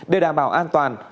để đảm bảo an toàn